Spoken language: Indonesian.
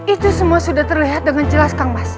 itu semua sudah terlihat dengan jelas kang mas